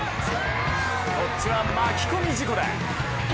こっちは巻き込み事故だ。